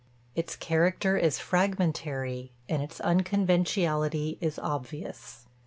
Its character is fragmentary, and its unconventionality is obvious.